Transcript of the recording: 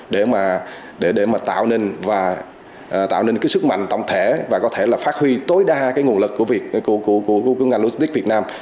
để mà tạo nên sức mạnh tổng thể và có thể phát huy tối đa nguồn lực của ngành logistics việt nam